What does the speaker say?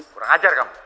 kurang ajar kamu